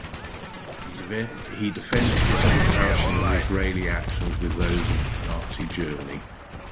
He defended his comparison of Israeli actions with those of Nazi Germany.